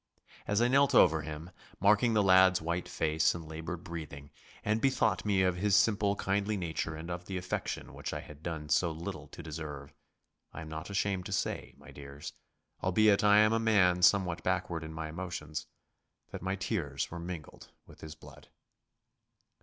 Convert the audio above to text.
As I knelt over him, marking the lad's white face and laboured breathing, and bethought me of his simple, kindly nature and of the affection which I had done so little to deserve, I am not ashamed to say, my dears, albeit I am a man somewhat backward in my emotions, that my tears were mingled with his blood.